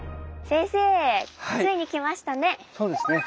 ついに来ましたね！